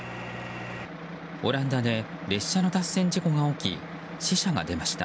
オランダで列車の脱線事故が起き死者が出ました。